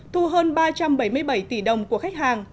thu hơn ba trăm bảy mươi bảy tỷ đồng của khách hàng